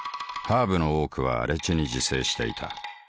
ハーブの多くは荒地に自生していた。